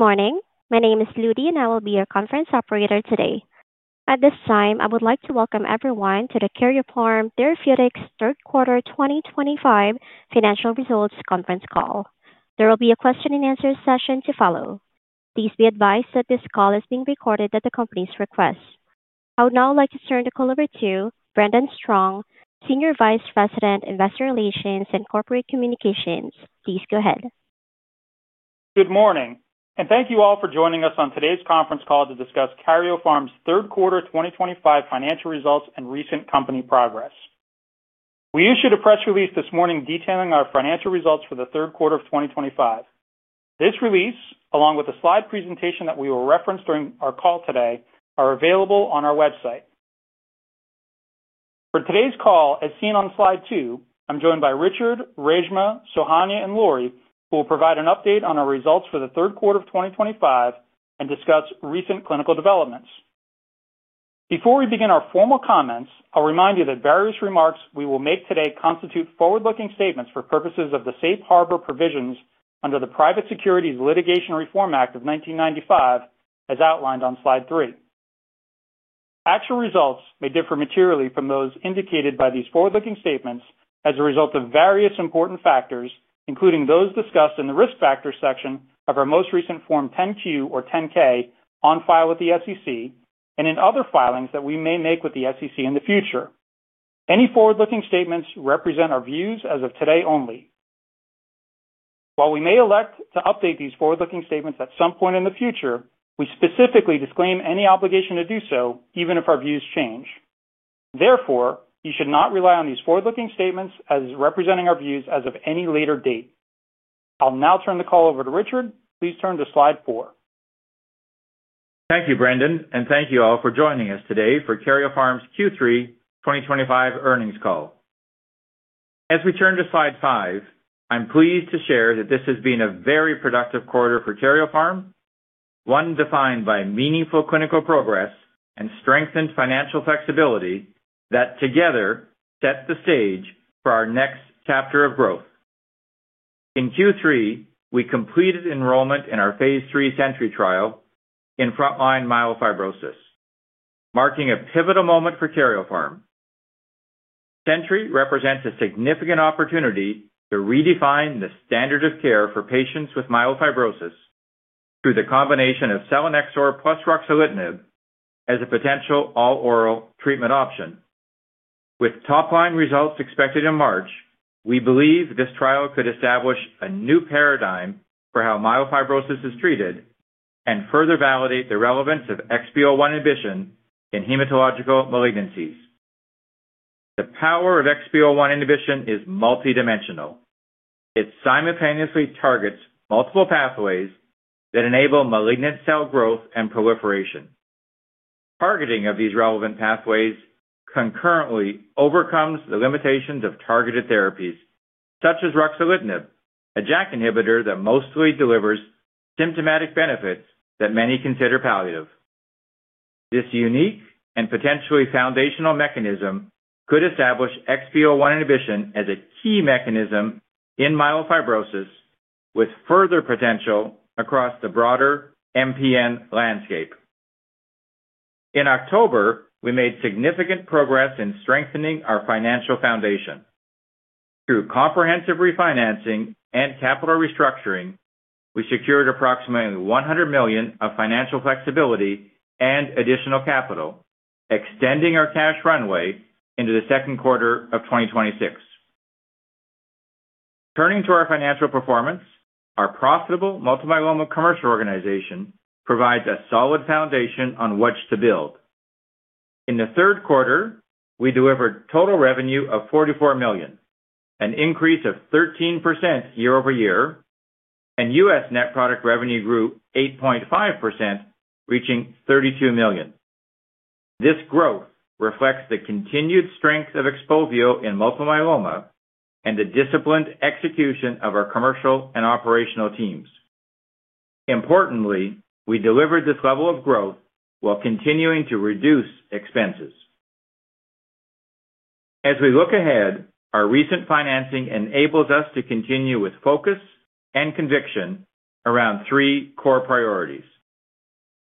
Morning. My name is Ludi, and I will be your Conference Operator today. At this time, I would like to welcome everyone to the Karyopharm Therapeutics Third Quarter 2025 Financial Results Conference Call. There will be a question-and-answer session to follow. Please be advised that this call is being recorded at the company's request. I would now like to turn the call over to Brendan Strong, Senior Vice President, Investor Relations and Corporate Communications. Please go ahead. Good morning, and thank you all for joining us on today's conference call to discuss Karyopharm's Third Quarter 2025 financial results and recent company progress. We issued a press release this morning detailing our financial results for the Third Quarter of 2025. This release, along with the slide presentation that we will reference during our call today, is available on our website. For today's call, as seen on Slide 2, I'm joined by Richard, Reshma, Sohanya, and Lori, who will provide an update on our results for the third quarter of 2025 and discuss recent clinical developments. Before we begin our formal comments, I'll remind you that various remarks we will make today constitute forward-looking statements for purposes of the Safe Harbor provisions under the Private Securities Litigation Reform Act of 1995, as outlined on Slide 3. Actual results may differ materially from those indicated by these forward-looking statements as a result of various important factors, including those discussed in the risk factors section of our most recent Form 10-Q or 10-K on file with the SEC and in other filings that we may make with the SEC in the future. Any forward-looking statements represent our views as of today only. While we may elect to update these forward-looking statements at some point in the future, we specifically disclaim any obligation to do so, even if our views change. Therefore, you should not rely on these forward-looking statements as representing our views as of any later date. I'll now turn the call over to Richard. Please turn to Slide 4. Thank you, Brendan, and thank you all for joining us today for Karyopharm's Q3 2025 earnings call. As we turn to Slide 5, I'm pleased to share that this has been a very productive quarter for Karyopharm, one defined by meaningful clinical progress and strengthened financial flexibility that together set the stage for our next chapter of growth. In Q3, we completed enrollment in our Phase III SENTRY trial in frontline myelofibrosis, marking a pivotal moment for Karyopharm. SENTRY represents a significant opportunity to redefine the standard of care for patients with myelofibrosis through the combination of selinexor plus ruxolitinib as a potential all-oral treatment option. With top-line results expected in March, we believe this trial could establish a new paradigm for how myelofibrosis is treated and further validate the relevance of XPO1 inhibition in hematological malignancies. The power of XPO1 inhibition is multi-dimensional. It simultaneously targets multiple pathways that enable malignant cell growth and proliferation. Targeting of these relevant pathways concurrently overcomes the limitations of targeted therapies, such as ruxolitinib, a JAK inhibitor that mostly delivers symptomatic benefits that many consider palliative. This unique and potentially foundational mechanism could establish XPO1 inhibition as a key mechanism in myelofibrosis, with further potential across the broader MPN landscape. In October, we made significant progress in strengthening our financial foundation. Through comprehensive refinancing and capital restructuring, we secured approximately $100 million of financial flexibility and additional capital, extending our cash runway into the Second Quarter of 2026. Turning to our financial performance, our profitable multi-biomodal commercial organization provides a solid foundation on which to build. In the Third Quarter, we delivered total revenue of $44 million, an increase of 13% year-over-year, and U.S. net product revenue grew 8.5%, reaching $32 million. This growth reflects the continued strength of XPOVIO in multi-biomodal and the disciplined execution of our commercial and operational teams. Importantly, we delivered this level of growth while continuing to reduce expenses. As we look ahead, our recent financing enables us to continue with focus and conviction around three core priorities.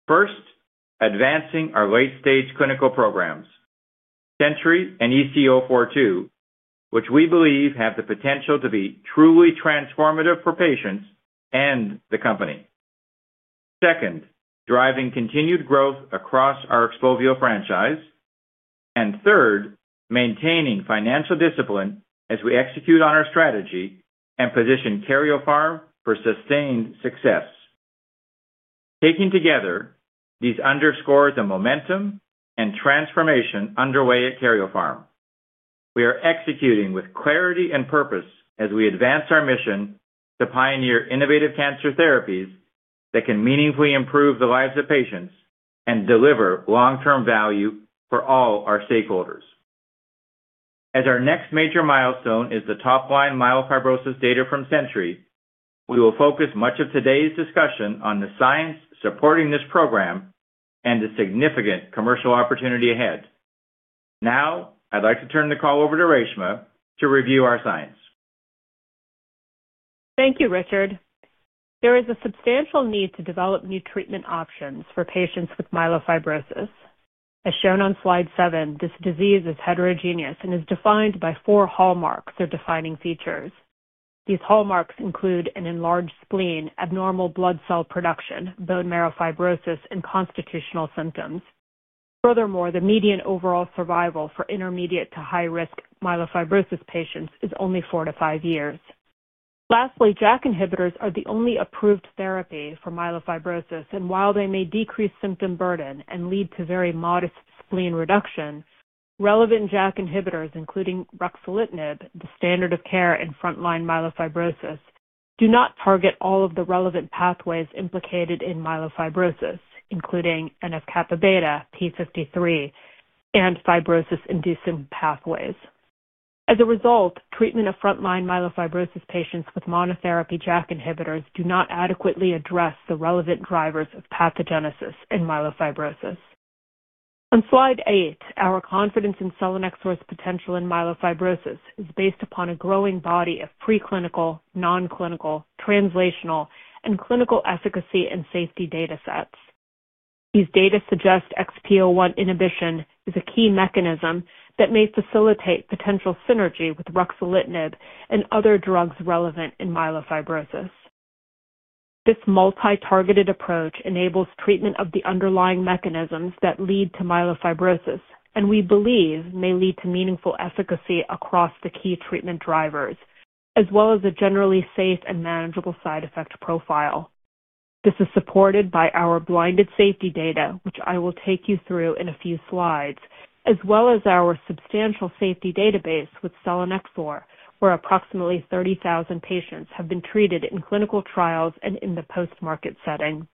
First, advancing our late-stage clinical programs, SENTRY and ECO42, which we believe have the potential to be truly transformative for patients and the company. Second, driving continued growth across our XPOVIO franchise. Third, maintaining financial discipline as we execute on our strategy and position Karyopharm for sustained success. Taken together, these underscore the momentum and transformation underway at Karyopharm. We are executing with clarity and purpose as we advance our mission to pioneer innovative cancer therapies that can meaningfully improve the lives of patients and deliver long-term value for all our stakeholders. As our next major milestone is the top-line myofibrosis data from SENTRY, we will focus much of today's discussion on the science supporting this program and the significant commercial opportunity ahead. Now, I'd like to turn the call over to Reshma to review our science. Thank you, Richard. There is a substantial need to develop new treatment options for patients with myelofibrosis. As shown on Slide 7, this disease is heterogeneous and is defined by four hallmarks or defining features. These hallmarks include an enlarged spleen, abnormal blood cell production, bone marrow fibrosis, and constitutional symptoms. Furthermore, the median overall survival for intermediate to high-risk myelofibrosis patients is only four to five years. Lastly, JAK inhibitors are the only approved therapy for myelofibrosis, and while they may decrease symptom burden and lead to very modest spleen reduction, relevant JAK inhibitors, including ruxolitinib, the standard of care in frontline myelofibrosis, do not target all of the relevant pathways implicated in myelofibrosis, including NF-κB, P53, and fibrosis-inducing pathways. As a result, treatment of frontline myelofibrosis patients with monotherapy JAK inhibitors does not adequately address the relevant drivers of pathogenesis in myelofibrosis. On Slide 8, our confidence in selinexor's potential in myelofibrosis is based upon a growing body of preclinical, nonclinical, translational, and clinical efficacy and safety data sets. These data suggest XPO1 inhibition is a key mechanism that may facilitate potential synergy with ruxolitinib and other drugs relevant in myelofibrosis. This multi-targeted approach enables treatment of the underlying mechanisms that lead to myelofibrosis, and we believe may lead to meaningful efficacy across the key treatment drivers, as well as a generally safe and manageable side effect profile. This is supported by our blinded safety data, which I will take you through in a few slides, as well as our substantial safety database with selinexor, where approximately 30,000 patients have been treated in clinical trials and in the post-market setting.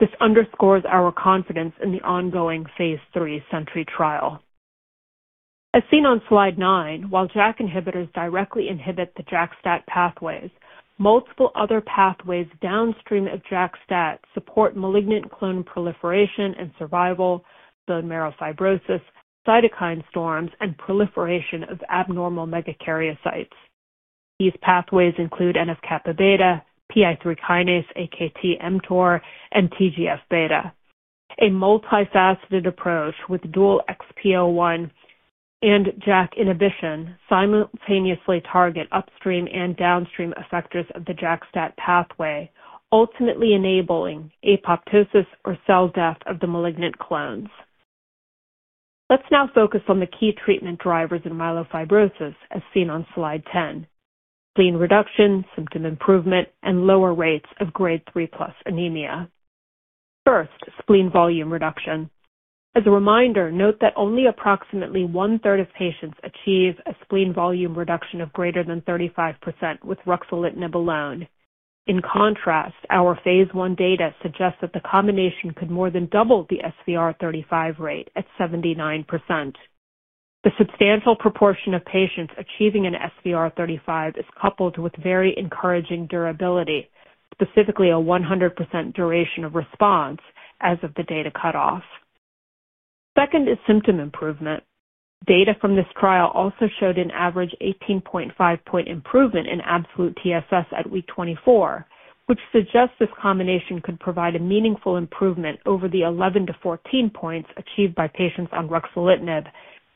This underscores our confidence in the ongoing Phase III SENTRY trial. As seen on Slide 9, while JAK inhibitors directly inhibit the JAK-STAT pathways, multiple other pathways downstream of JAK-STAT support malignant clone proliferation and survival, bone marrow fibrosis, cytokine storms, and proliferation of abnormal megakaryocytes. These pathways include NF-κB, PI3 kinase, AKT/mTOR, and TGF-β. A multifaceted approach with dual XPO1 and JAK inhibition simultaneously targets upstream and downstream effectors of the JAK-STAT pathway, ultimately enabling apoptosis or cell death of the malignant clones. Let's now focus on the key treatment drivers in myelofibrosis, as seen on Slide 10: spleen reduction, symptom improvement, and lower rates of Grade 3+ anemia. First, spleen volume reduction. As a reminder, note that only approximately one-third of patients achieve a spleen volume reduction of greater than 35% with ruxolitinib alone. In contrast, our Phase I data suggests that the combination could more than double the SVR35 rate at 79%. The substantial proportion of patients achieving an SVR35 is coupled with very encouraging durability, specifically a 100% duration of response as of the data cutoff. Second is symptom improvement. Data from this trial also showed an average 18.5-point improvement in absolute TSS at Week 24, which suggests this combination could provide a meaningful improvement over the 11-14 points achieved by patients on ruxolitinib,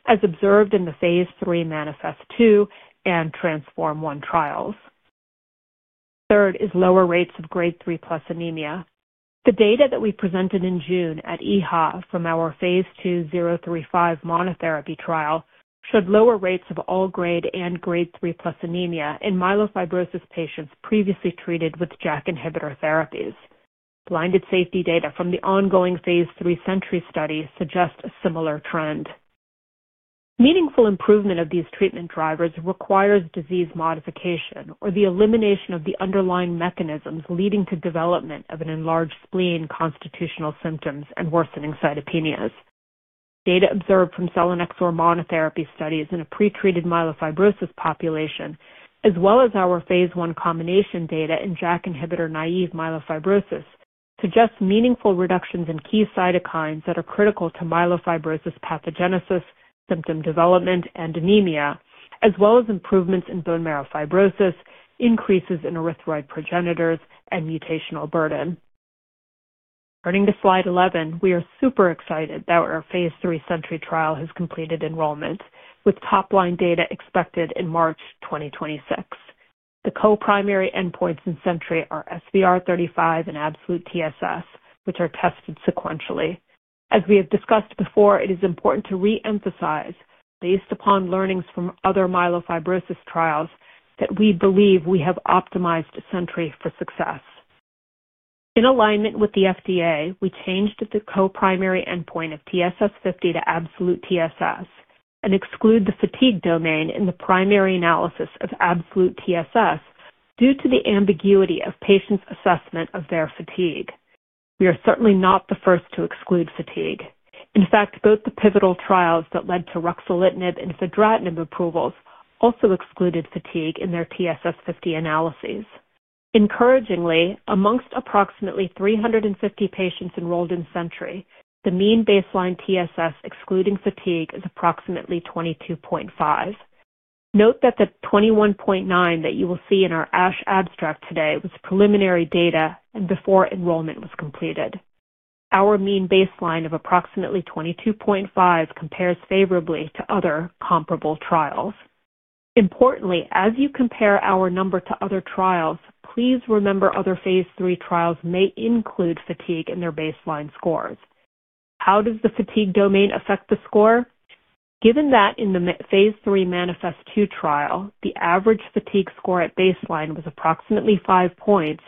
as observed in the Phase III MANIFEST-2 and TRANSFORM-1 trials. Third is lower rates of Grade 3+ anemia. The data that we presented in June at EHA from our phase two 035 monotherapy trial showed lower rates of all-grade and Grade 3+ anemia in myelofibrosis patients previously treated with JAK inhibitor therapies. Blinded safety data from the ongoing Phase III SENTRY study suggests a similar trend. Meaningful improvement of these treatment drivers requires disease modification or the elimination of the underlying mechanisms leading to development of an enlarged spleen, constitutional symptoms, and worsening cytopenias. Data observed from selinexor monotherapy studies in a pretreated myelofibrosis population, as well as our Phase I combination data in JAK inhibitor-naïve myelofibrosis, suggests meaningful reductions in key cytokines that are critical to myelofibrosis pathogenesis, symptom development, and anemia, as well as improvements in bone marrow fibrosis, increases in erythroid progenitors, and mutational burden. Turning to Slide 11, we are super excited that our Phase III SENTRY trial has completed enrollment, with top-line data expected in March 2026. The co-primary endpoints in SENTRY are SVR35 and absolute TSS, which are tested sequentially. As we have discussed before, it is important to re-emphasize, based upon learnings from other myelofibrosis trials, that we believe we have optimized SENTRY for success. In alignment with the FDA, we changed the co-primary endpoint of TSS50 to absolute TSS and excluded the fatigue domain in the primary analysis of absolute TSS due to the ambiguity of patients' assessment of their fatigue. We are certainly not the first to exclude fatigue. In fact, both the pivotal trials that led to ruxolitinib and fedratinib approvals also excluded fatigue in their TSS50 analyses. Encouragingly, amongst approximately 350 patients enrolled in SENTRY, the mean baseline TSS excluding fatigue is approximately 22.5. Note that the 21.9 that you will see in our ASH abstract today was preliminary data and before enrollment was completed. Our mean baseline of approximately 22.5 compares favorably to other comparable trials. Importantly, as you compare our number to other trials, please remember other Phase III trials may include fatigue in their baseline scores. How does the fatigue domain affect the score? Given that in the Phase III MANIFEST-2 trial, the average fatigue score at baseline was approximately five points,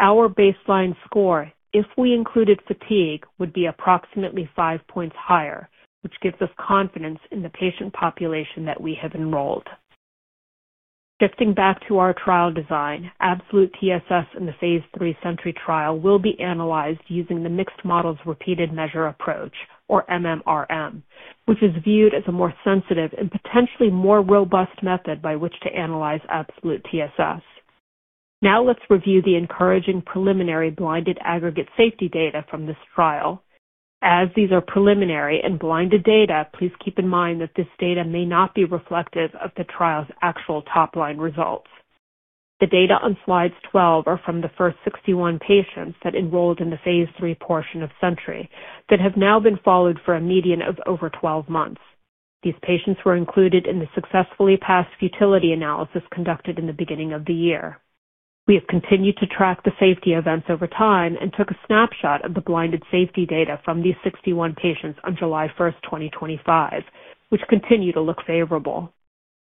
our baseline score, if we included fatigue, would be approximately five points higher, which gives us confidence in the patient population that we have enrolled. Shifting back to our trial design, absolute TSS in the Phase III SENTRY trial will be analyzed using the mixed models repeated measure approach, or MMRM, which is viewed as a more sensitive and potentially more robust method by which to analyze absolute TSS. Now let's review the encouraging preliminary blinded aggregate safety data from this trial. As these are preliminary and blinded data, please keep in mind that this data may not be reflective of the trial's actual top-line results. The data on Slide 12 are from the first 61 patients that enrolled in the Phase III portion of SENTRY that have now been followed for a median of over 12 months. These patients were included in the successfully passed futility analysis conducted in the beginning of the year. We have continued to track the safety events over time and took a snapshot of the blinded safety data from these 61 patients on July 1st, 2025, which continue to look favorable.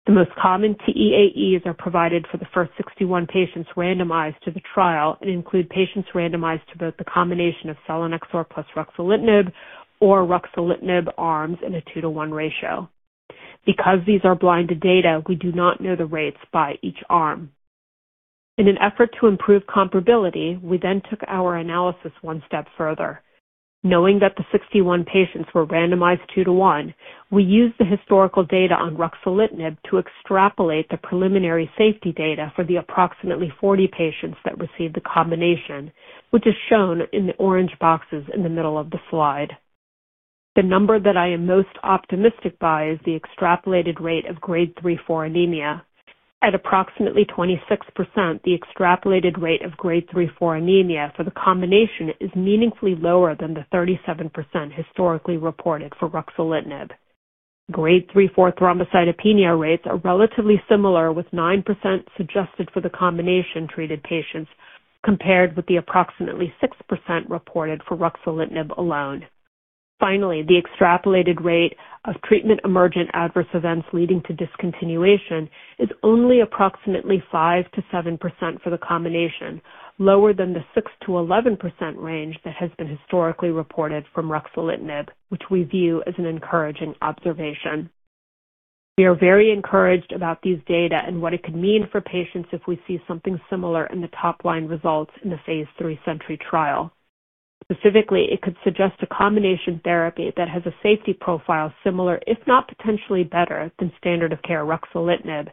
The most common TEAEs are provided for the first 61 patients randomized to the trial and include patients randomized to both the combination of selinexor plus ruxolitinib or ruxolitinib arms in a two-to-one ratio. Because these are blinded data, we do not know the rates by each arm. In an effort to improve comparability, we then took our analysis one step further. Knowing that the 61 patients were randomized two-to-one, we used the historical data on ruxolitinib to extrapolate the preliminary safety data for the approximately 40 patients that received the combination, which is shown in the orange boxes in the middle of the slide. The number that I am most optimistic by is the extrapolated rate of Grade 3/4 anemia. At approximately 26%, the extrapolated rate of Grade 3/4 anemia for the combination is meaningfully lower than the 37% historically reported for ruxolitinib. Grade 3/4 thrombocytopenia rates are relatively similar, with 9% suggested for the combination treated patients compared with the approximately 6% reported for ruxolitinib alone. Finally, the extrapolated rate of treatment emergent adverse events leading to discontinuation is only approximately 5%-7% for the combination, lower than the 6%-11% range that has been historically reported from ruxolitinib, which we view as an encouraging observation. We are very encouraged about these data and what it could mean for patients if we see something similar in the top-line results in the Phase III SENTRY trial. Specifically, it could suggest a combination therapy that has a safety profile similar, if not potentially better, than standard of care ruxolitinib,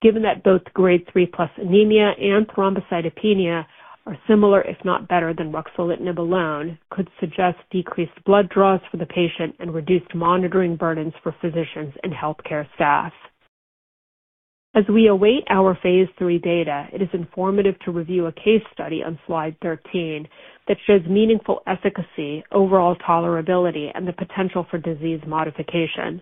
given that both Grade 3+ anemia and thrombocytopenia are similar, if not better, than ruxolitinib alone, could suggest decreased blood draws for the patient and reduced monitoring burdens for physicians and healthcare staff. As we await our Phase III data, it is informative to review a case study on Slide 13 that shows meaningful efficacy, overall tolerability, and the potential for disease modification.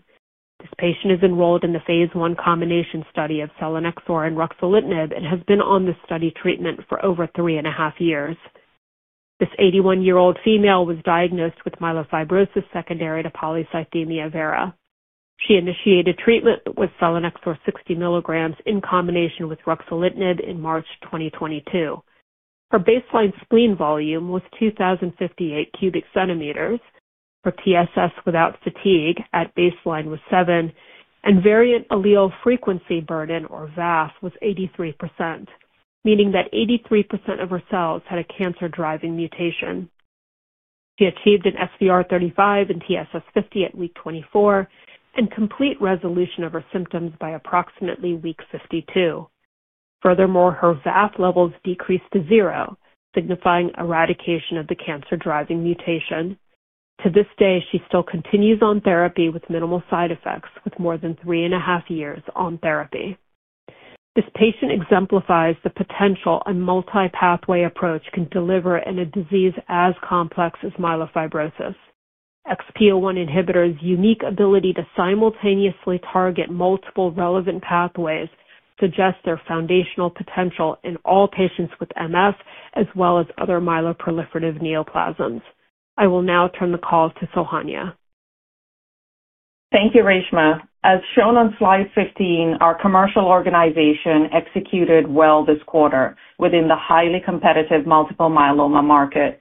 This patient is enrolled in the phase one combination study of selinexor and ruxolitinib and has been on this study treatment for over three and a half years. This 81-year-old female was diagnosed with myelofibrosis secondary to polycythemia vera. She initiated treatment with selinexor 60 milligrams in combination with ruxolitinib in March 2022. Her baseline spleen volume was 2,058 cubic centimeters. Her TSS without fatigue at baseline was 7, and variant allele frequency burden, or VAF, was 83%, meaning that 83% of her cells had a cancer-driving mutation. She achieved an SVR35 and TSS50 at week 24 and complete resolution of her symptoms by approximately Week 52. Furthermore, her VAF levels decreased to zero, signifying eradication of the cancer-driving mutation. To this day, she still continues on therapy with minimal side effects with more than three and a half years on therapy. This patient exemplifies the potential a multi-pathway approach can deliver in a disease as complex as myelofibrosis. XPO1 inhibitor's unique ability to simultaneously target multiple relevant pathways suggests their foundational potential in all patients with MF, as well as other myeloproliferative neoplasms. I will now turn the call to Sohanya. Thank you, Reshma. As shown on Slide 15, our commercial organization executed well this quarter within the highly competitive multiple myeloma market.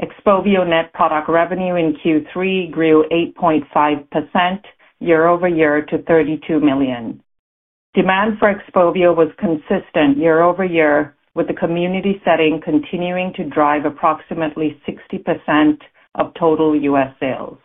XPOVIO net product revenue in Q3 grew 8.5% year-over-year to $32 million. Demand for XPOVIO was consistent year-over-year, with the community setting continuing to drive approximately 60% of total U.S. sales.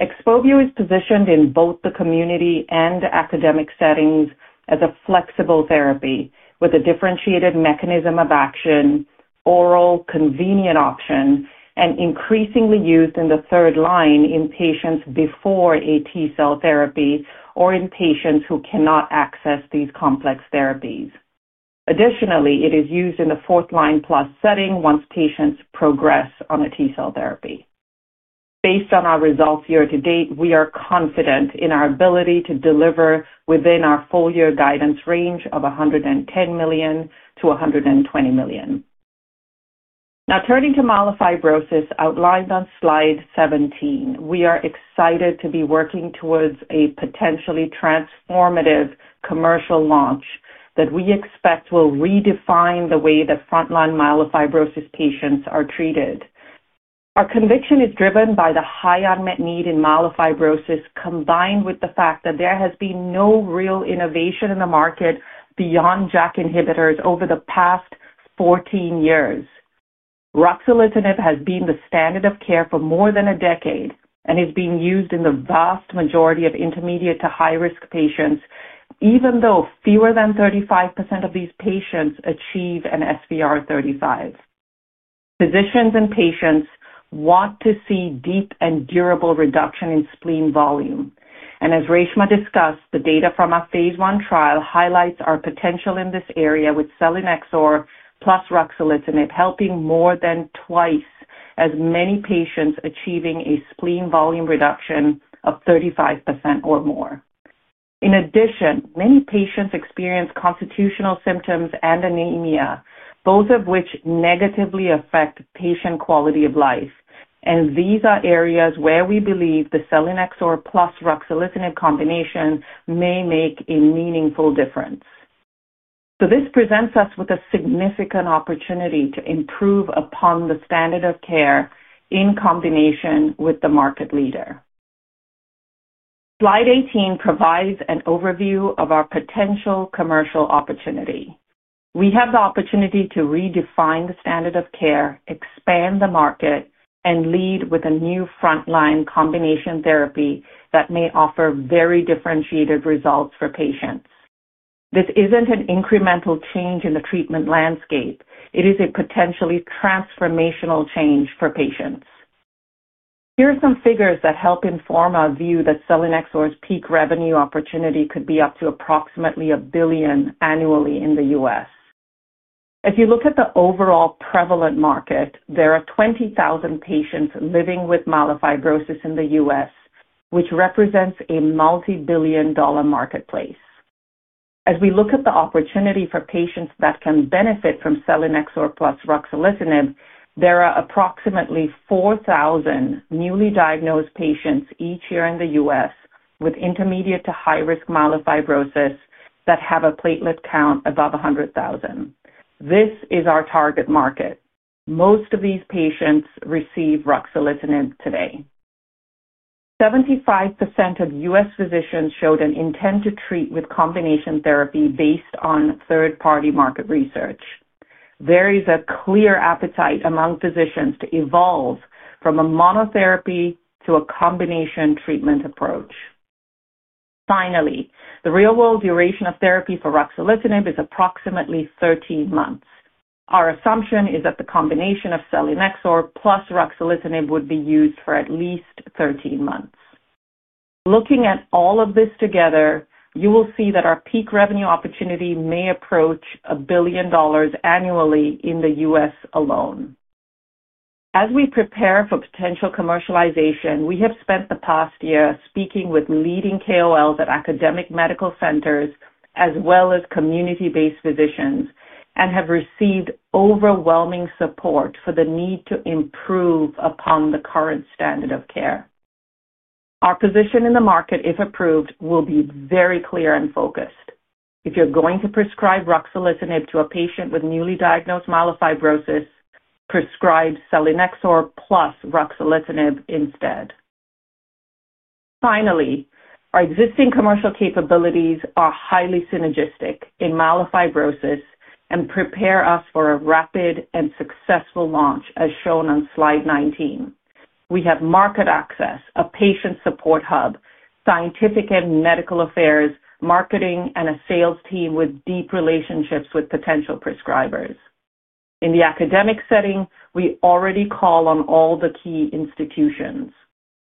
XPOVIO is positioned in both the community and academic settings as a flexible therapy with a differentiated mechanism of action, oral convenient option, and increasingly used in the third line in patients before a T-cell therapy or in patients who cannot access these complex therapies. Additionally, it is used in the fourth line-plus setting once patients progress on a T-cell therapy. Based on our results year-to-date, we are confident in our ability to deliver within our full-year guidance range of $110 million-$120 million. Now, turning to myelofibrosis outlined on Slide 17, we are excited to be working towards a potentially transformative commercial launch that we expect will redefine the way that frontline myelofibrosis patients are treated. Our conviction is driven by the high unmet need in myelofibrosis combined with the fact that there has been no real innovation in the market beyond JAK inhibitors over the past 14 years. Ruxolitinib has been the standard of care for more than a decade and is being used in the vast majority of intermediate to high-risk patients, even though fewer than 35% of these patients achieve an SVR35. Physicians and patients want to see deep and durable reduction in spleen volume. As Reshma discussed, the data from our Phase I trial highlights our potential in this area with selinexor plus ruxolitinib helping more than twice as many patients achieving a spleen volume reduction of 35% or more. In addition, many patients experience constitutional symptoms and anemia, both of which negatively affect patient quality of life. These are areas where we believe the selinexor plus ruxolitinib combination may make a meaningful difference. This presents us with a significant opportunity to improve upon the standard of care in combination with the market leader. Slide 18 provides an overview of our potential commercial opportunity. We have the opportunity to redefine the standard of care, expand the market, and lead with a new frontline combination therapy that may offer very differentiated results for patients. This isn't an incremental change in the treatment landscape. It is a potentially transformational change for patients. Here are some figures that help inform our view that selinexor's peak revenue opportunity could be up to approximately $1 billion annually in the U.S. As you look at the overall prevalent market, there are 20,000 patients living with myelofibrosis in the U.S., which represents a multi-billion dollar marketplace. As we look at the opportunity for patients that can benefit from selinexor plus ruxolitinib, there are approximately 4,000 newly diagnosed patients each year in the U.S. with intermediate to high-risk myofibrosis that have a platelet count above 100,000. This is our target market. Most of these patients receive ruxolitinib today. 75% of U.S. physicians showed an intent to treat with combination therapy based on third-party market research. There is a clear appetite among physicians to evolve from a monotherapy to a combination treatment approach. Finally, the real-world duration of therapy for ruxolitinib is approximately 13 months. Our assumption is that the combination of selinexor plus ruxolitinib would be used for at least 13 months. Looking at all of this together, you will see that our peak revenue opportunity may approach $1 billion annually in the U.S. alone. As we prepare for potential commercialization, we have spent the past year speaking with leading KOLs at academic medical centers as well as community-based physicians and have received overwhelming support for the need to improve upon the current standard of care. Our position in the market, if approved, will be very clear and focused. If you're going to prescribe ruxolitinib to a patient with newly diagnosed myofibrosis, prescribe selinexor plus ruxolitinib instead. Finally, our existing commercial capabilities are highly synergistic in myelofibrosis and prepare us for a rapid and successful launch, as shown on Slide 19. We have market access, a patient support hub, scientific and medical affairs, marketing, and a sales team with deep relationships with potential prescribers. In the academic setting, we already call on all the key institutions.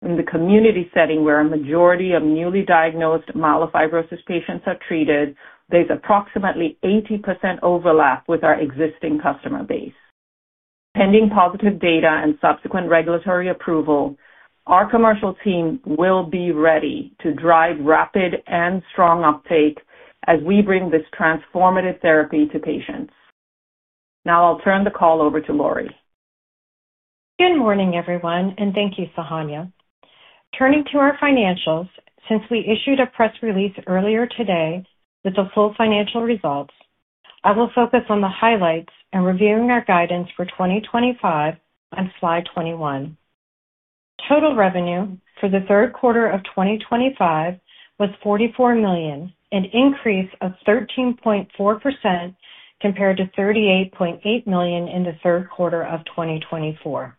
In the community setting, where a majority of newly diagnosed myelofibrosis patients are treated, there's approximately 80% overlap with our existing customer base. Pending positive data and subsequent regulatory approval, our commercial team will be ready to drive rapid and strong uptake as we bring this transformative therapy to patients. Now I'll turn the call over to Lori. Good morning, everyone, and thank you, Sohanya. Turning to our financials, since we issued a press release earlier today with the full financial results, I will focus on the highlights and reviewing our guidance for 2025 on Slide 21. Total revenue for the Third Quarter of 2025 was $44 million, an increase of 13.4% compared to $38.8 million in the Third Quarter of 2024.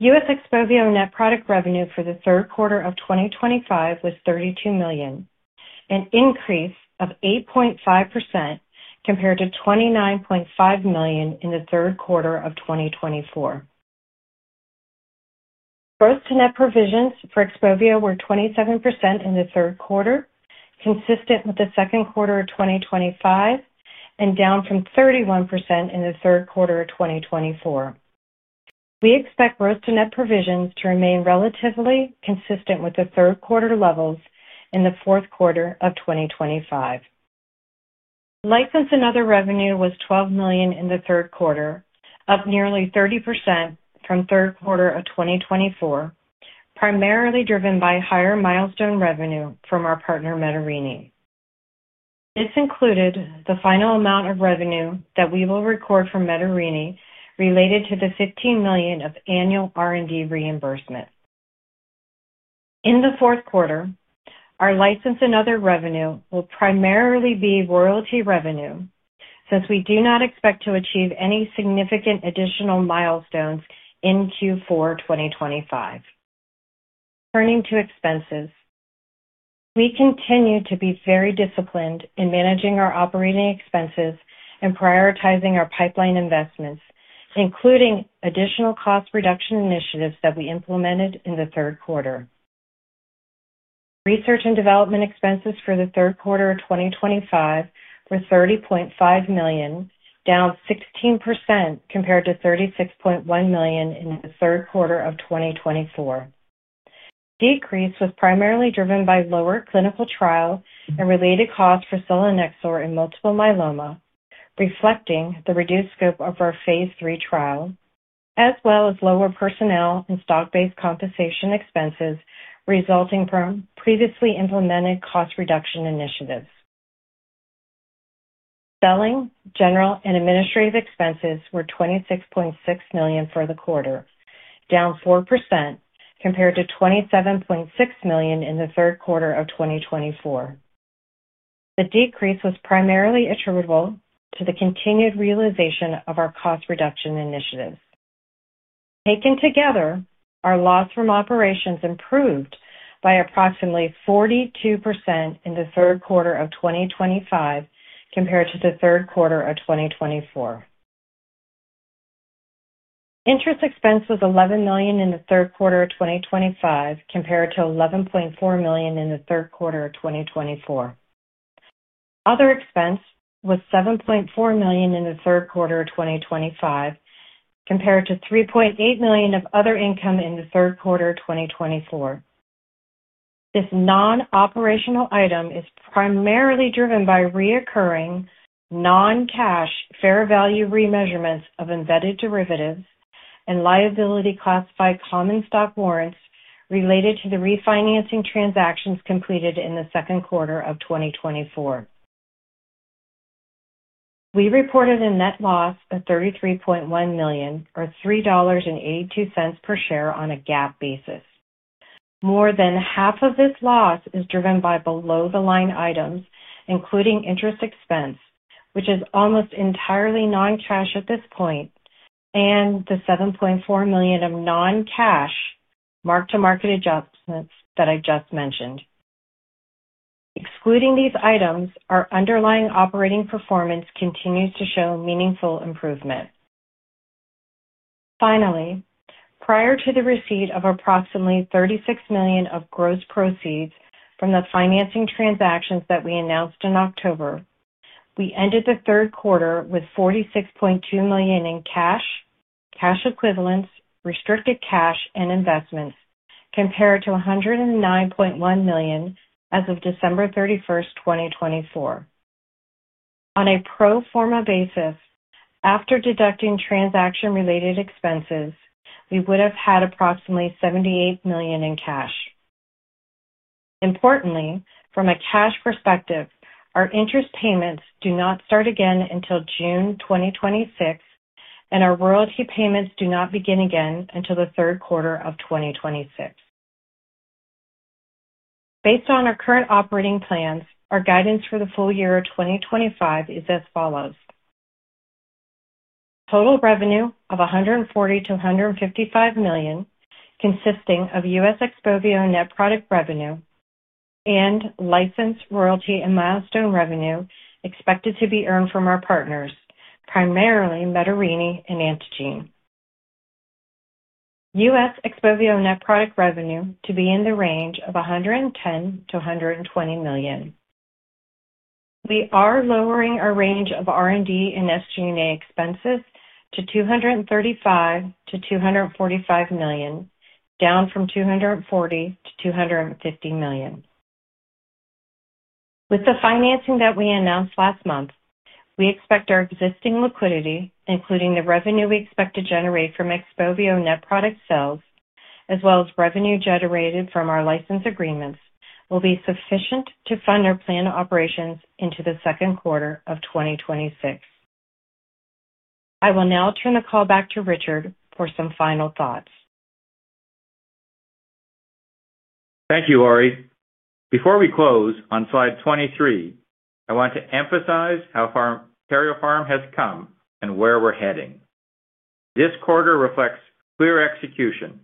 US XPOVIO net product revenue for the Third Quarter of 2025 was $32 million, an increase of 8.5% compared to $29.5 million in the third quarter of 2024. Gross-to-net provisions for XPOVIO were 27% in the Third Quarter, consistent with the Second Quarter of 2025, and down from 31% in the Third Quarter of 2024. We expect gross-to-net provisions to remain relatively consistent with the Third Quarter levels in the Fourth Quarter of 2025. License and other revenue was $12 million in the Third Quarter, up nearly 30% from the Third Quarter of 2024, primarily driven by higher milestone revenue from our partner, Menarini. This included the final amount of revenue that we will record from Menarini related to the $15 million of annual R&D reimbursement. In the Fourth Quarter, our license and other revenue will primarily be royalty revenue since we do not expect to achieve any significant additional milestones in Q4 2025. Turning to expenses. We continue to be very disciplined in managing our operating expenses and prioritizing our pipeline investments, including additional cost reduction initiatives that we implemented in the Third Quarter. Research and development expenses for the Third Quarter of 2025 were $30.5 million, down 16% compared to $36.1 million in the Third Quarter of 2024. The decrease was primarily driven by lower clinical trial and related costs for selinexor and multiple myeloma, reflecting the reduced scope of our Phase III trial, as well as lower personnel and stock-based compensation expenses resulting from previously implemented cost reduction initiatives. Selling, General, and Administrative expenses were $26.6 million for the quarter, down 4% compared to $27.6 million in the Third Quarter of 2024. The decrease was primarily attributable to the continued realization of our cost reduction initiatives. Taken together, our loss from operations improved by approximately 42% in the Third Quarter of 2025 compared to the Third Quarter of 2024. Interest expense was $11 million in the Third Quarter of 2025 compared to $11.4 million in the Third Quarter of 2024. Other expense was $7.4 million in the Third Quarter of 2025 compared to $3.8 million of other income in the Third Quarter of 2024. This non-operational item is primarily driven by recurring non-cash fair value remeasurements of embedded derivatives and liability classified common stock warrants related to the refinancing transactions completed in the Second Quarter of 2024. We reported a net loss of $33.1 million, or $3.82 per share on a GAAP basis. More than half of this loss is driven by below-the-line items, including interest expense, which is almost entirely non-cash at this point, and the $7.4 million of non-cash mark-to-market adjustments that I just mentioned. Excluding these items, our underlying operating performance continues to show meaningful improvement. Finally, prior to the receipt of approximately $36 million of gross proceeds from the financing transactions that we announced in October, we ended the Third Quarter with $46.2 million in cash, cash equivalents, restricted cash, and investments compared to $109.1 million as of December 31st, 2024. On a pro forma basis, after deducting transaction-related expenses, we would have had approximately $78 million in cash. Importantly, from a cash perspective, our interest payments do not start again until June 2026, and our royalty payments do not begin again until the Third Quarter of 2026. Based on our current operating plans, our guidance for the full year of 2025 is as follows. Total revenue of $140-$155 million, consisting of U.S. XPOVIO net product revenue and license, royalty, and milestone revenue expected to be earned from our partners, primarily Menarini and Antengene. U.S. XPOVIO net product revenue to be in the range of $110-$120 million. We are lowering our range of R&D and SG&A expenses to $235-$245 million, down from $240-$250 million. With the financing that we announced last month, we expect our existing liquidity, including the revenue we expect to generate from XPOVIO net product sales, as well as revenue generated from our license agreements, will be sufficient to fund our planned operations into the Second Quarter of 2026. I will now turn the call back to Richard for some final thoughts. Thank you, Lori. Before we close on Slide 23, I want to emphasize how far Karyopharm has come and where we're heading. This quarter reflects clear execution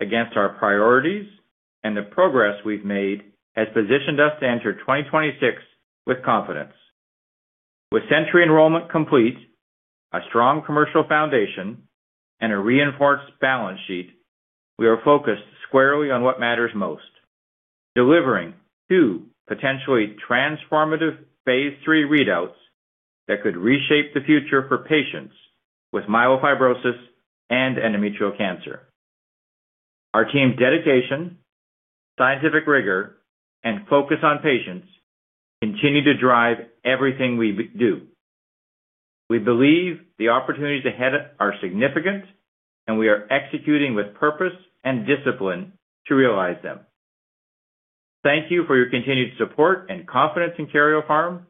against our priorities, and the progress we've made has positioned us to enter 2026 with confidence. With SENTRY enrollment complete, a strong commercial foundation, and a reinforced balance sheet, we are focused squarely on what matters most. Delivering two potentially transformative Phase III readouts that could reshape the future for patients with myelofibrosis and endometrial cancer. Our team's dedication, scientific rigor, and focus on patients continue to drive everything we do. We believe the opportunities ahead are significant, and we are executing with purpose and discipline to realize them. Thank you for your continued support and confidence in Karyopharm.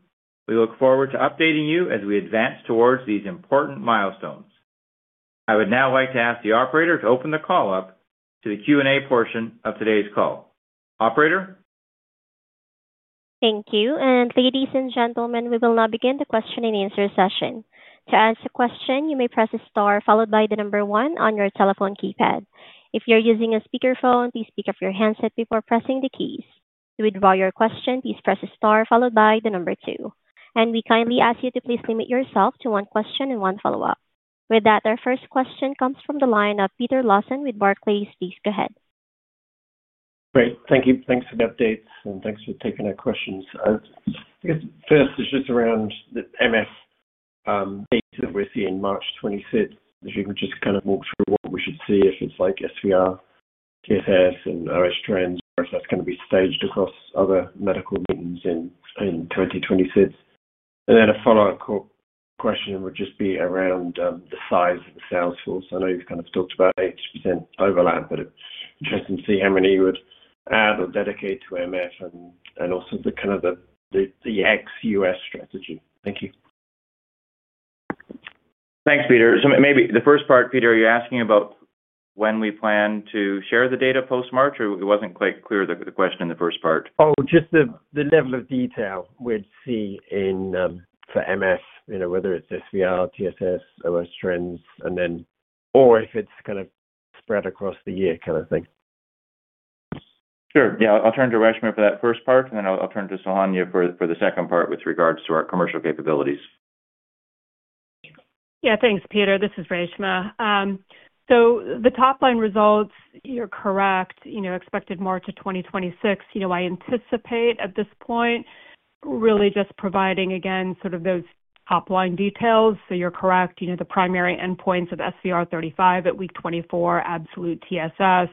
We look forward to updating you as we advance towards these important milestones. I would now like to ask the Operator to open the call up to the Q&A portion of today's call. Operator? Thank you. Ladies and gentlemen, we will now begin the question and answer session. To ask a question, you may press a star followed by the number one on your telephone keypad. If you're using a speakerphone, please pick up your handset before pressing the keys. To withdraw your question, please press a star followed by the number two. We kindly ask you to please limit yourself to one question and one follow-up. With that, our first question comes from the line of Peter Lawson with Barclays. Please go ahead. Great. Thank you. Thanks for the updates, and thanks for taking our questions. I guess the first is just around the MF data that we're seeing March 2026. If you could just kind of walk through what we should see if it's like SVR, TSS, and RS transfers, that's going to be staged across other medical meetings in 2026. A follow-up question would just be around the size of the sales force. I know you've kind of talked about 80% overlap, but it's interesting to see how many you would add or dedicate to MF and also the kind of the ex-U.S. strategy. Thank you. Thanks, Peter. Maybe the first part, Peter, are you asking about when we plan to share the data post-March, or it wasn't quite clear the question in the first part? Oh, just the level of detail we'd see for MF, whether it's SVR, TSS, RS transfers, or if it's kind of spread across the year kind of thing. Sure. Yeah. I'll turn to Reshma for that first part, and then I'll turn to Sohanya for the second part with regards to our commercial capabilities. Yeah. Thanks, Peter. This is Reshma. The top-line results, you're correct, expected March of 2026. I anticipate at this point really just providing again sort of those top-line details. You're correct, the primary endpoints of SVR35 at week 24, absolute TSS.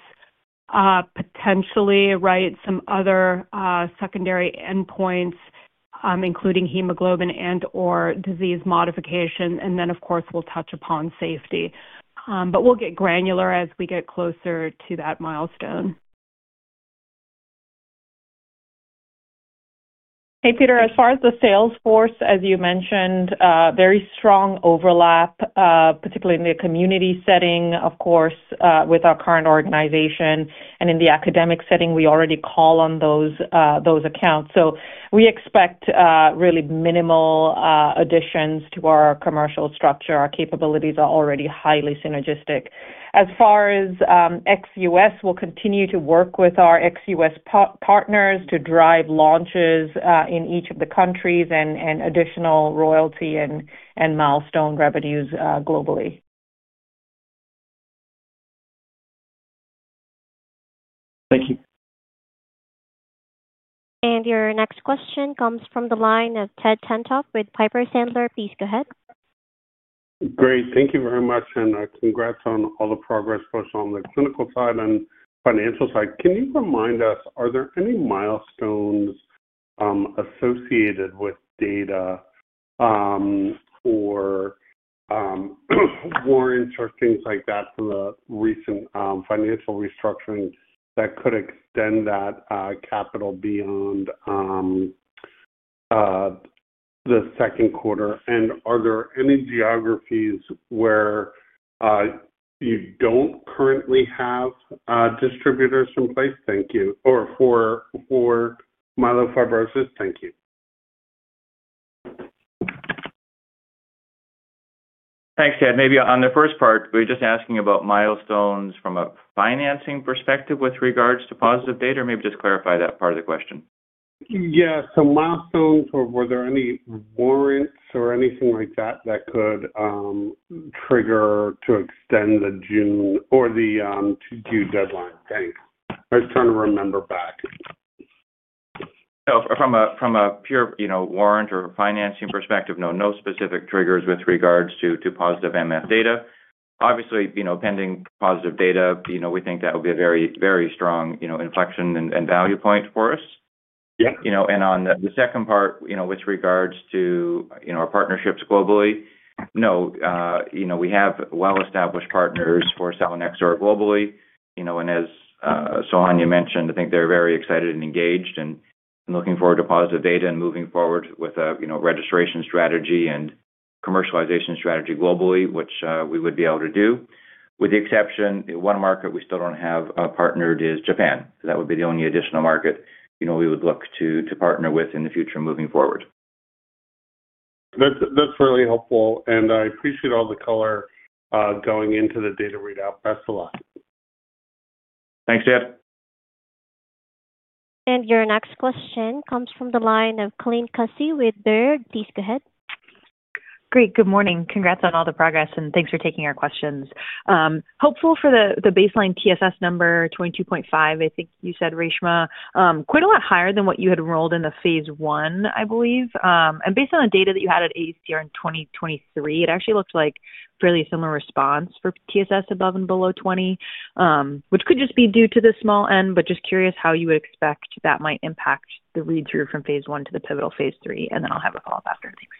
Potentially, right, some other secondary endpoints, including hemoglobin and/or disease modification. Of course, we'll touch upon safety. We'll get granular as we get closer to that milestone. Hey, Peter. As far as the sales force, as you mentioned, very strong overlap, particularly in the community setting, of course, with our current organization. In the academic setting, we already call on those accounts. We expect really minimal additions to our commercial structure. Our capabilities are already highly synergistic. As far as ex-U.S., we'll continue to work with our ex-U.S. partners to drive launches in each of the countries and additional royalty and milestone revenues globally. Thank you. Your next question comes from the line of Ted Tenthoff with Piper Sandler. Please go ahead. Great. Thank you very much. Congrats on all the progress, both on the clinical side and financial side. Can you remind us, are there any milestones associated with data or warrants or things like that from the recent financial restructuring that could extend that capital beyond the Second Quarter? Are there any geographies where you don't currently have distributors in place? Thank you. Or for myelofibrosis? Thank you. Thanks, Ted. Maybe on the first part, we're just asking about milestones from a financing perspective with regards to positive data, or maybe just clarify that part of the question. Yeah. So milestones, or were there any warrants or anything like that that could trigger to extend the June or the due deadline? Thanks. I was trying to remember back. From a pure warrant or financing perspective, no, no specific triggers with regards to positive MF data. Obviously, pending positive data, we think that would be a very, very strong inflection and value point for us. On the second part, with regards to our partnerships globally, no, we have well-established partners for selinexor globally. As Sohanya mentioned, I think they're very excited and engaged and looking forward to positive data and moving forward with a registration strategy and commercialization strategy globally, which we would be able to do. With the exception of one market we still do not have partnered, which is Japan. That would be the only additional market we would look to partner with in the future moving forward. That's really helpful. I appreciate all the color going into the data readout. Best of luck. Thanks, Ted. Your next question comes from the line of Colleen Kussi with Baird. Please go ahead. Great. Good morning. Congrats on all the progress, and thanks for taking our questions. Hopeful for the baseline TSS number, 22.5, I think you said, Reshma, quite a lot higher than what you had enrolled in the phase I, I believe. Based on the data that you had at ACR in 2023, it actually looks like a fairly similar response for TSS above and below 20, which could just be due to the small N, but just curious how you would expect that might impact the read-through from Phase I to the pivotal Phase III. I'll have a follow-up after. Thanks.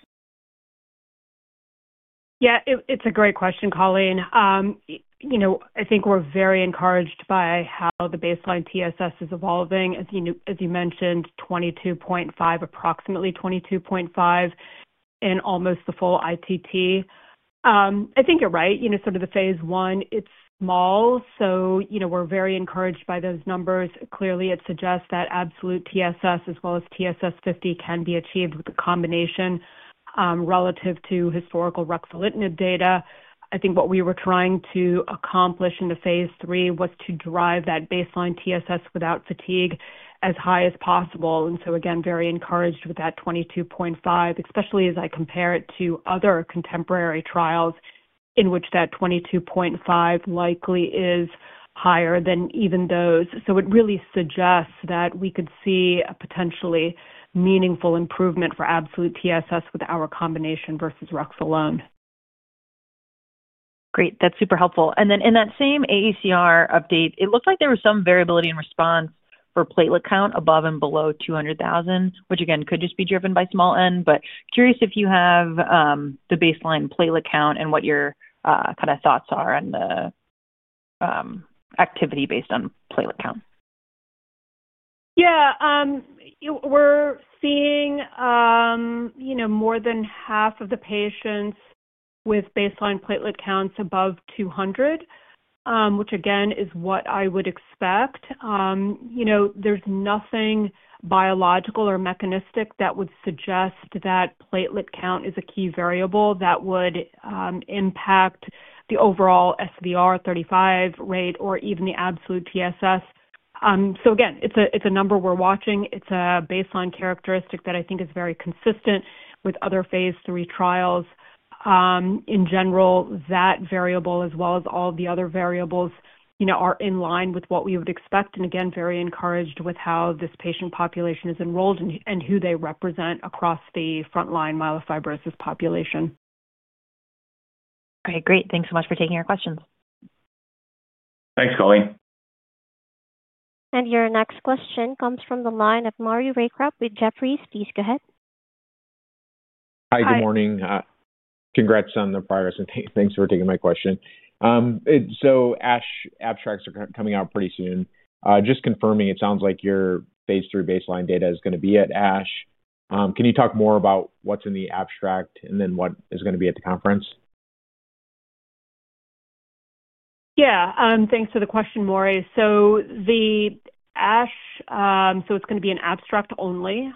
Yeah. It's a great question, Colleen. I think we're very encouraged by how the baseline TSS is evolving. As you mentioned, 22.5, approximately 22.5. In almost the full ITT. I think you're right. Sort of the Phase I, it's small. We're very encouraged by those numbers. Clearly, it suggests that absolute TSS as well as TSS50 can be achieved with a combination. Relative to historical ruxolitinib data, I think what we were trying to accomplish in the Phase III was to drive that baseline TSS without fatigue as high as possible. Again, very encouraged with that 22.5, especially as I compare it to other contemporary trials in which that 22.5 likely is higher than even those. It really suggests that we could see a potentially meaningful improvement for absolute TSS with our combination versus ruxolitinib alone. Great. That's super helpful. In that same ACR update, it looked like there was some variability in response for platelet count above and below 200,000, which again, could just be driven by small N. Curious if you have the baseline platelet count and what your kind of thoughts are on the activity based on platelet count. Yeah. We're seeing more than half of the patients with baseline platelet counts above 200. Which again is what I would expect. There's nothing biological or mechanistic that would suggest that platelet count is a key variable that would impact the overall SVR35 rate or even the absolute TSS. Again, it's a number we're watching. It's a baseline characteristic that I think is very consistent with other Phase III trials. In general, that variable, as well as all the other variables, are in line with what we would expect. Again, very encouraged with how this patient population is enrolled and who they represent across the front-line myelofibrosis population. All right. Great. Thanks so much for taking our questions. Thanks, Colleen. Your next question comes from the line of Maury Raycroft with Jefferies. Please go ahead. Hi. Good morning. Congrats on the progress. Thanks for taking my question. ASH abstracts are coming out pretty soon. Just confirming, it sounds like your Phase III baseline data is going to be at ASH. Can you talk more about what's in the abstract and then what is going to be at the conference? Yeah. Thanks for the question, Maury. The ASH, so it's going to be an abstract only.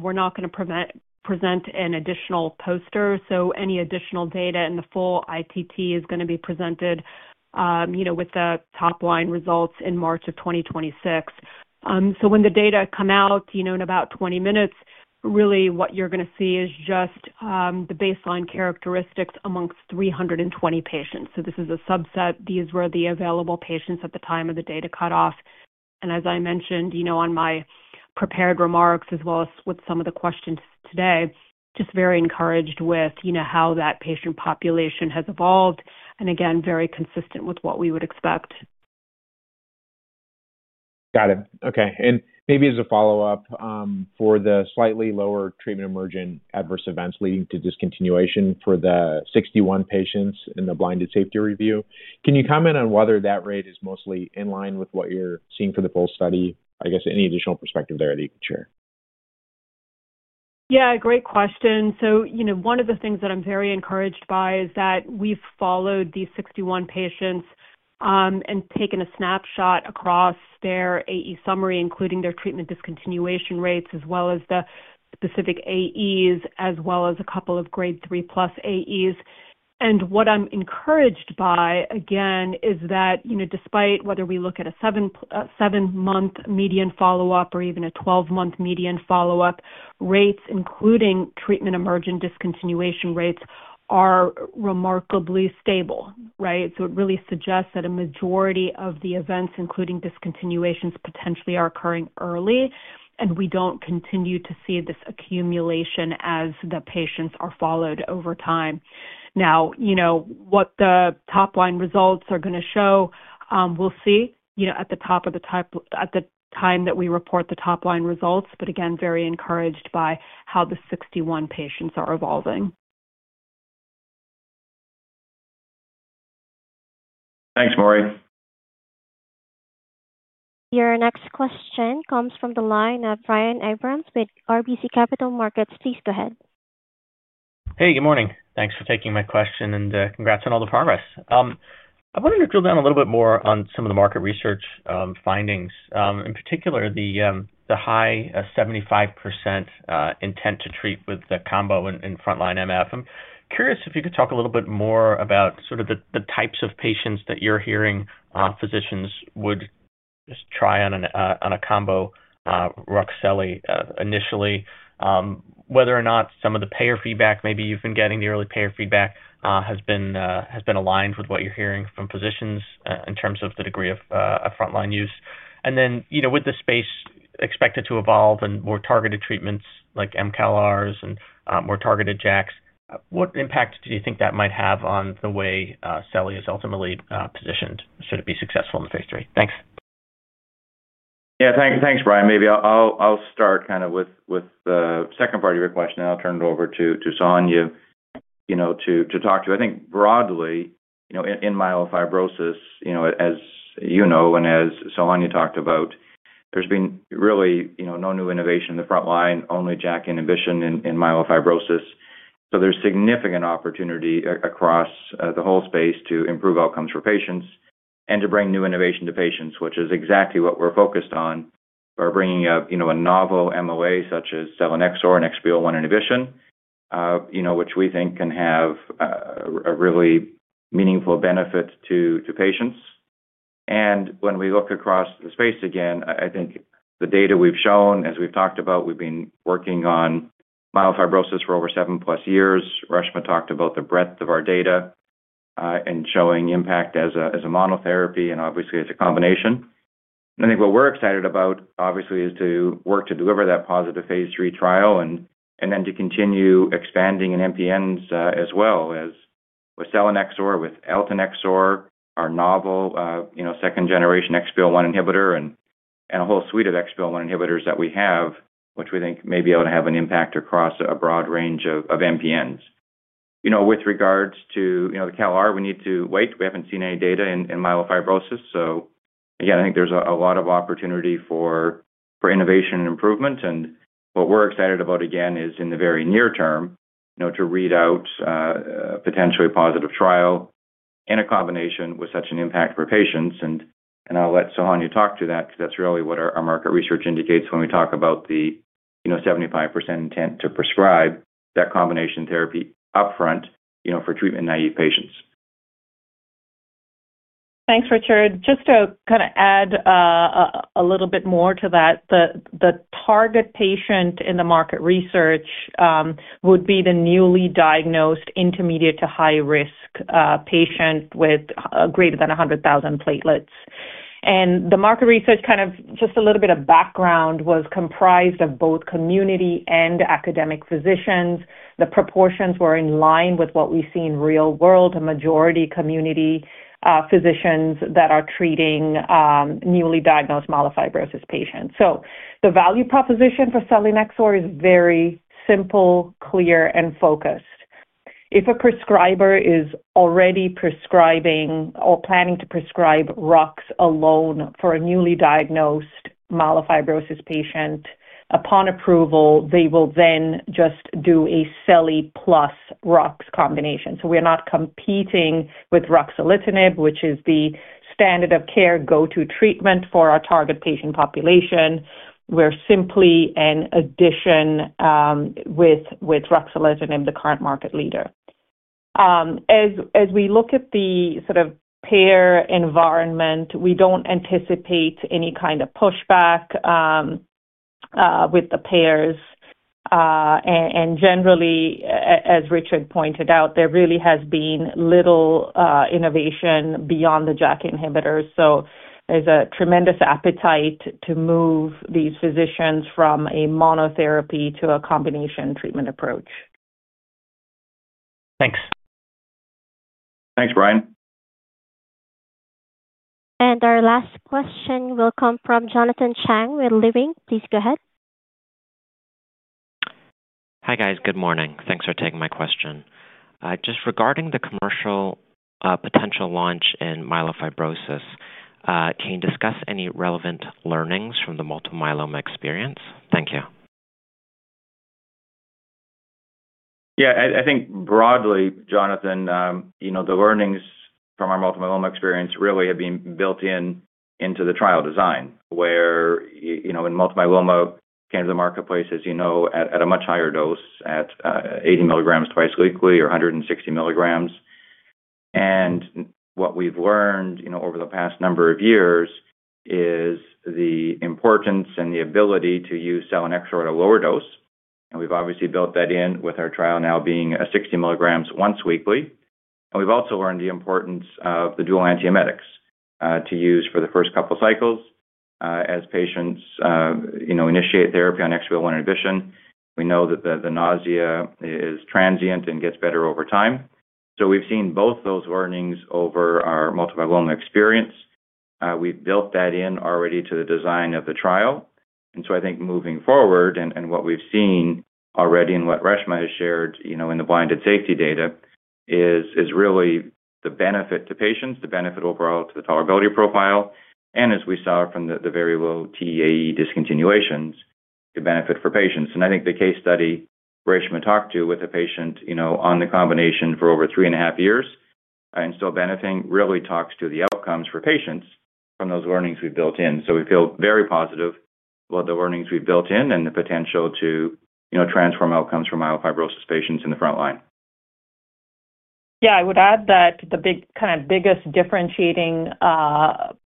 We're not going to present an additional poster. Any additional data in the full ITT is going to be presented with the top-line results in March of 2026. When the data come out in about 20 minutes, really what you're going to see is just the baseline characteristics amongst 320 patients. This is a subset. These were the available patients at the time of the data cutoff. As I mentioned on my prepared remarks as well as with some of the questions today, just very encouraged with how that patient population has evolved. Again, very consistent with what we would expect. Got it. Okay. Maybe as a follow-up for the slightly lower treatment emergent adverse events leading to discontinuation for the 61 patients in the blinded safety review, can you comment on whether that rate is mostly in line with what you're seeing for the full study? I guess any additional perspective there that you could share? Yeah. Great question. One of the things that I'm very encouraged by is that we've followed these 61 patients and taken a snapshot across their AE summary, including their treatment discontinuation rates as well as the specific AEs as well as a couple of Grade 3+ AEs. What I'm encouraged by, again, is that despite whether we look at a 7-month median follow-up or even a 12-month median follow-up, rates, including treatment emergent discontinuation rates, are remarkably stable, right? It really suggests that a majority of the events, including discontinuations, potentially are occurring early, and we don't continue to see this accumulation as the patients are followed over time. Now, what the top-line results are going to show, we'll see at the top of the time that we report the top-line results. Again, very encouraged by how the 61 patients are evolving. Thanks, Maury. Your next question comes from the line of Brian Abrahams with RBC Capital Markets. Please go ahead. Hey, good morning. Thanks for taking my question and congrats on all the progress. I wanted to drill down a little bit more on some of the market research findings, in particular the high 75% intent to treat with the combo in front-line MF. I'm curious if you could talk a little bit more about sort of the types of patients that you're hearing physicians would just try on a combo, ruxolitinib initially, whether or not some of the payer feedback, maybe you've been getting the early payer feedback, has been aligned with what you're hearing from physicians in terms of the degree of front-line use. And then with the space expected to evolve and more targeted treatments like CALRs and more targeted JAKs, what impact do you think that might have on the way selinexor is ultimately positioned, should it be successful in the Phase III? Thanks. Yeah. Thanks, Brian. Maybe I'll start kind of with the second part of your question, and I'll turn it over to Sohanya to talk to. I think broadly, in myelofibrosis, as you know and as Sohanya talked about, there's been really no new innovation in the front line, only JAK inhibition in myelofibrosis. There is significant opportunity across the whole space to improve outcomes for patients and to bring new innovation to patients, which is exactly what we're focused on. We're bringing a novel MOA such as selinexor and XPO1 inhibition, which we think can have a really meaningful benefit to patients. When we look across the space again, I think the data we've shown, as we've talked about, we've been working on myelofibrosis for over seven plus years. Reshma talked about the breadth of our data and showing impact as a monotherapy and obviously as a combination. What we're excited about, obviously, is to work to deliver that positive Phase III trial and then to continue expanding in MPNs as well as with selinexor, with eltanexor, our novel second-generation XPO1 inhibitor, and a whole suite of XPO1 inhibitors that we have, which we think may be able to have an impact across a broad range of MPNs. With regards to the CALR, we need to wait. We haven't seen any data in myelofibrosis. Again, I think there's a lot of opportunity for innovation and improvement. What we're excited about again is in the very near term to read out a potentially positive trial in a combination with such an impact for patients. I'll let Sohanya talk to that because that's really what our market research indicates when we talk about the 75% intent to prescribe that combination therapy upfront for treatment-naïve patients. Thanks, Richard. Just to kind of add a little bit more to that, the target patient in the market research. Would be the newly diagnosed intermediate-to-high-risk patient with greater than 100,000 platelets. The market research, kind of just a little bit of background, was comprised of both community and academic physicians. The proportions were in line with what we see in real world, a majority community physicians that are treating newly diagnosed myelofibrosis patients. The value proposition for selinexor is very simple, clear, and focused. If a prescriber is already prescribing or planning to prescribe rux alone for a newly diagnosed myelofibrosis patient, upon approval, they will then just do a seli plus rux combination. We are not competing with ruxolitinib, which is the standard of care go-to treatment for our target patient population. We're simply an addition, with ruxolitinib the current market leader. As we look at the sort of payer environment, we don't anticipate any kind of pushback with the payers. Generally, as Richard pointed out, there really has been little innovation beyond the JAK inhibitors. There is a tremendous appetite to move these physicians from a monotherapy to a combination treatment approach. Thanks. Thanks, Brian. Our last question will come from Jonathan Chang with Leerink. Please go ahead. Hi guys. Good morning. Thanks for taking my question. Just regarding the commercial potential launch in myelofibrosis. Can you discuss any relevant learnings from the multiple myeloma experience? Thank you. Yeah. I think broadly, Jonathan, the learnings from our multiple myeloma experience really have been built into the trial design, where in multiple myeloma, came to the marketplace, as you know, at a much higher dose, at 80 milligrams twice weekly or 160 milligrams. What we've learned over the past number of years is the importance and the ability to use selinexor at a lower dose. We've obviously built that in with our trial now being 60 milligrams once weekly. We've also learned the importance of the dual antiemetics to use for the first couple of cycles as patients initiate therapy on XPO1 inhibition. We know that the nausea is transient and gets better over time. We've seen both those learnings over our multiple myeloma experience. We've built that in already to the design of the trial. I think moving forward, and what we've seen already and what Reshma has shared in the blinded safety data, is really the benefit to patients, the benefit overall to the tolerability profile, and as we saw from the very low TEAE discontinuations, the benefit for patients. I think the case study Reshma talked to with a patient on the combination for over three and a half years and still benefiting really talks to the outcomes for patients from those learnings we've built in. We feel very positive about the learnings we've built in and the potential to transform outcomes for myelofibrosis patients in the front line. Yeah. I would add that the kind of biggest differentiating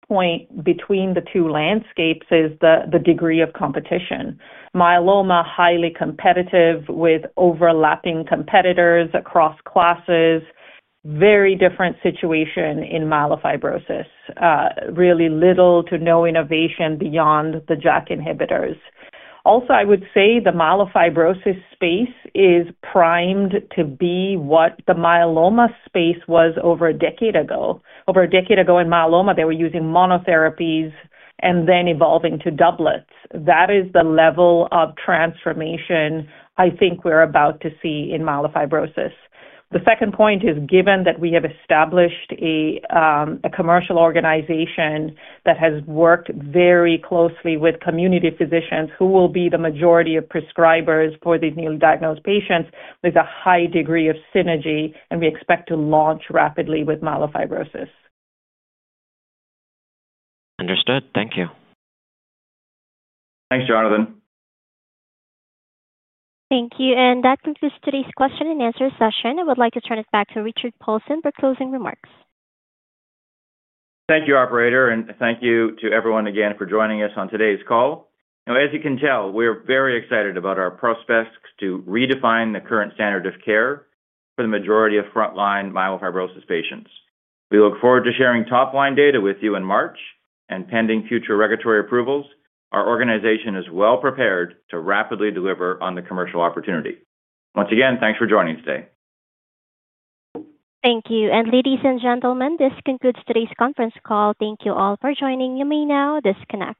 point between the two landscapes is the degree of competition. Myeloma highly competitive with overlapping competitors across classes. Very different situation in myelofibrosis. Really little to no innovation beyond the JAK inhibitors. Also, I would say the myelofibrosis space is primed to be what the myeloma space was over a decade ago. Over a decade ago in myeloma, they were using monotherapies and then evolving to doublets. That is the level of transformation I think we're about to see in myelofibrosis. The second point is given that we have established a commercial organization that has worked very closely with community physicians who will be the majority of prescribers for these newly diagnosed patients, there's a high degree of synergy, and we expect to launch rapidly with myelofibrosis. Understood. Thank you. Thanks, Jonathan. Thank you. That concludes today's question and answer session. I would like to turn it back to Richard Paulson for closing remarks. Thank you, operator. Thank you to everyone again for joining us on today's call. As you can tell, we are very excited about our prospects to redefine the current standard of care for the majority of front-line myelofibrosis patients. We look forward to sharing top-line data with you in March and pending future regulatory approvals. Our organization is well prepared to rapidly deliver on the commercial opportunity. Once again, thanks for joining today. Thank you. Ladies and gentlemen, this concludes today's conference call. Thank you all for joining. You may now disconnect.